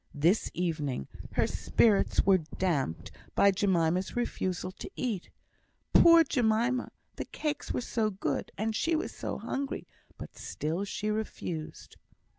This evening her spirits were damped by Jemima's refusal to eat. Poor Jemima! the cakes were so good, and she was so hungry; but still she refused.